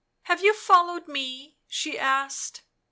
" Have you followed me V ' she asked.